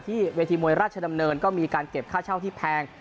เวทีมวยราชดำเนินก็มีการเก็บค่าเช่าที่แพง